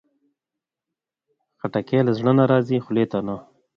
خټکی له زړه نه راځي، خولې ته نه.